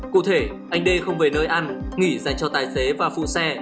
cụ thể anh đê không về nơi ăn nghỉ dành cho tài xế và phụ xe